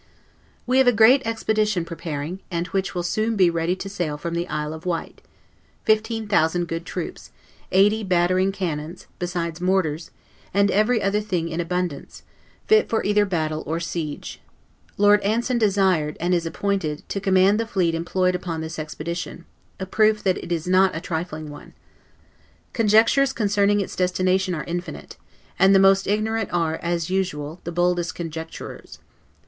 We have a great expedition preparing, and which will soon be ready to sail from the Isle of Wight; fifteen thousand good troops, eighty battering cannons, besides mortars, and every other thing in abundance, fit for either battle or siege. Lord Anson desired, and is appointed, to command the fleet employed upon this expedition; a proof that it is not a trifling one. Conjectures concerning its destination are infinite; and the most ignorant are, as usual, the boldest conjecturers.